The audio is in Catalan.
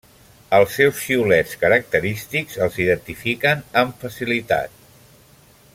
Els seus xiulets característics els identifiquen amb facilitat.